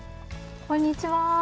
こんにちは。